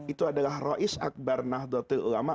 itu adalah rois akbar nahdlatul ulama